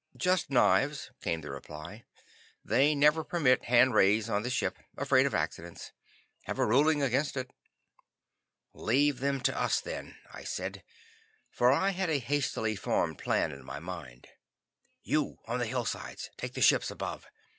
"Just knives," came the reply. "They never permit hand rays on the ships. Afraid of accidents. Have a ruling against it." "Leave them to us then," I said, for I had a hastily formed plan in my mind. "You, on the hillsides, take the ships above.